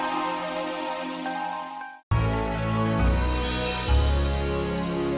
terima kasih lampir